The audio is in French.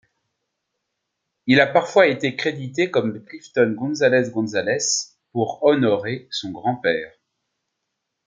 Il a parfois été crédité comme Clifton Gonzalez-Gonzalez pour honorer son grand-père.